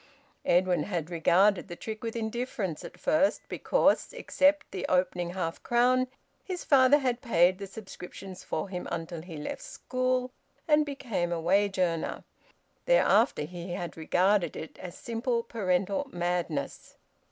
Edwin had regarded the trick with indifference at first, because, except the opening half crown, his father had paid the subscriptions for him until he left school and became a wage earner. Thereafter he had regarded it as simple parental madness.